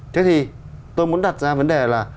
thế thì tôi muốn đặt ra vấn đề là